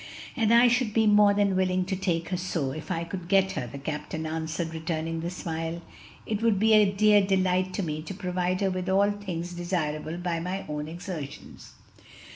"And I should be more than willing to take her so, if I could get her," the captain answered, returning the smile; "it would be a dear delight to me to provide her with all things desirable by my own exertions."